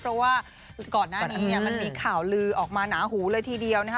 เพราะว่าก่อนหน้านี้เนี่ยมันมีข่าวลือออกมาหนาหูเลยทีเดียวนะคะ